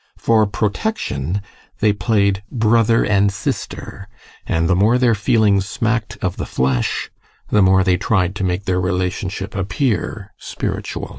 For protection they played brother and sister. And the more their feelings smacked of the flesh, the more they tried to make their relationship appear spiritual.